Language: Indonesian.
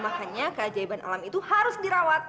makanya keajaiban alam itu harus dirawat